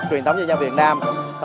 truyền thống cho nhau việt nam